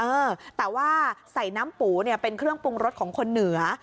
เออแต่ว่าใส่น้ำปูเนี่ยเป็นเครื่องปรุงรสของคนเหนือ